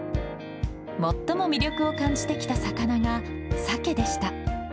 最も魅力を感じてきた魚がサケでした。